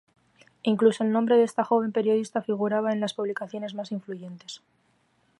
Incluso el nombre de esta joven periodista figuraba en las publicaciones más influyentes.